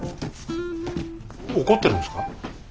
怒ってるんですか？